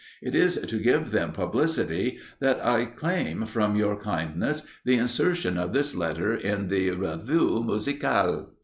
It is to give them publicity, that I claim from your kindness the insertion of this letter in the 'Revue Musicale.